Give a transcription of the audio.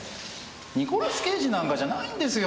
ニコラス・ケイジなんかじゃないんですよ。